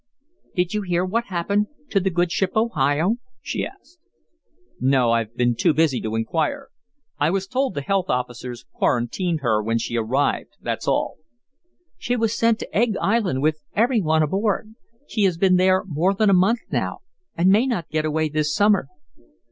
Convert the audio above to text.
"Did you hear what happened to the good ship Ohio?" she asked. "No; I've been too busy to inquire. I was told the health officers quarantined her when she arrived, that's all." "She was sent to Egg Island with every one aboard. She has been there more than a month now and may not get away this summer."